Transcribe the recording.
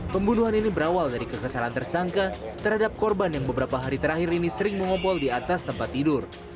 pembunuhan ini berawal dari kekesalan tersangka terhadap korban yang beberapa hari terakhir ini sering mengobol di atas tempat tidur